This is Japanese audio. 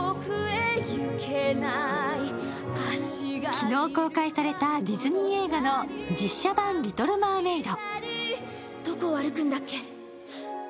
昨日公開されたディズニー映画の実写版「リトル・マーメイド」。